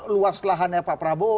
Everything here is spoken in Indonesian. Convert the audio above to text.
luas lahannya pak prabowo